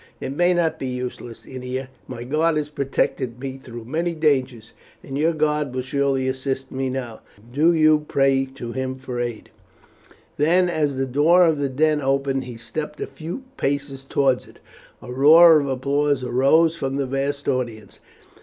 "It may not be useless, Ennia. My god has protected me through many dangers, and your God will surely assist me now. Do you pray to Him for aid." Then as the door of the den opened he stepped a few paces towards it. A roar of applause rose from the vast audience.